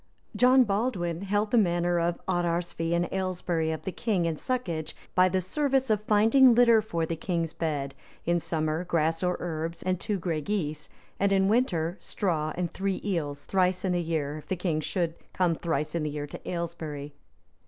[* John Baldwin held the manor of Oterarsfee in Aylesbury of the king in soccage, by the service of finding litter for the king's bed, viz., in summer, grass or herbs, and two gray geese, and in winter, straw, and three eels, thrice in the year, if the king should come thrice in the year to Aylesbury.